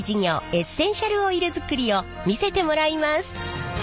エッセンシャルオイル作りを見せてもらいます。